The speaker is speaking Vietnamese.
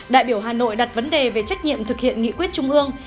đại biểu hà nội đặt vấn đề về trách nhiệm thực hiện nghị quyết trung ương